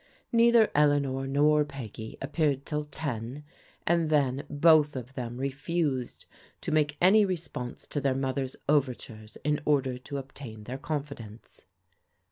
Neither Eleanor nor Peggy appeared till ten, and then both of them refused to make any response to their mother's overtures in order to obtain their confidence.